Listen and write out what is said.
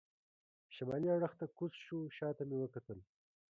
شمالي اړخ ته کوز شو، شا ته مې وکتل.